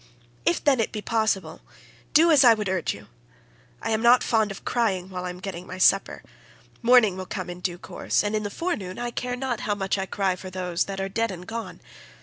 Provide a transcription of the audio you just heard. If, then, it be possible, do as I would urge you. I am not fond of crying while I am getting my supper. Morning will come in due course, and in the forenoon I care not how much I cry for those that are dead and gone.